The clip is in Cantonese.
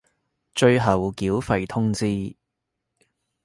最後繳費通知